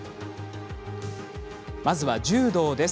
まずは柔道です。